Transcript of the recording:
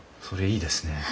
それいいですね。